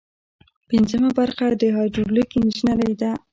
پنځمه برخه د هایدرولیک انجنیری ده.